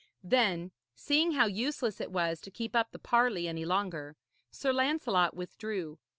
Then, seeing how useless it was to keep up the parley any longer, Sir Lancelot withdrew.